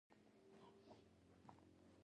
دا هغه څه دي چې شرقي ملکونه ځنې نه دي خلاص.